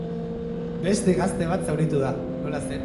Beste gazte bat zauritu da.